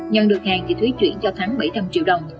nhận được hàng chị thúy chuyển cho thắng bảy trăm linh triệu đồng